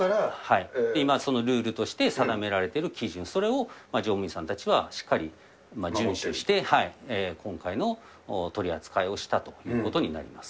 今、そのルールとして定められている基準、それを乗務員さんたちはしっかり順守して、今回の取り扱いをしたということになります。